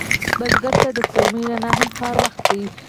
بزګر ته د سپوږمۍ رڼا هم کاري وخت دی